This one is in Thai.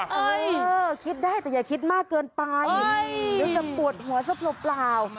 เออคิดได้แต่อย่าคิดมากเกินไปเดี๋ยวจะปวดหัวซะเปล่า